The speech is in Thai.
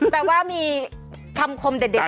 แต่ว่ามีคำคมเด็ดแบบนี้